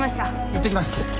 いってきます。